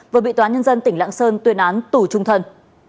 vừa bị tòa nhân dân tỉnh lạng sơn tuyên án tù trung thân